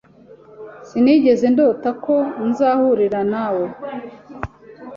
Sinigeze ndota ko nzahurira nawe.